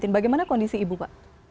bagaimana kondisi ibu pak